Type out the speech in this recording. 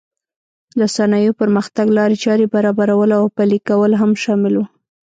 د صنایعو پرمختګ لارې چارې برابرول او پلې کول هم شامل و.